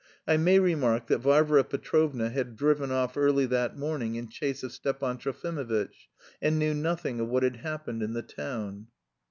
(I may remark that Varvara Petrovna had driven off early that morning in chase of Stepan Trofimovitch, and knew nothing of what had happened in the town.)